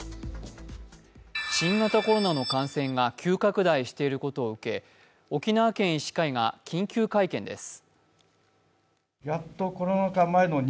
新型コロナの感染が急拡大していることを受け、沖縄県医師会が緊急会見です。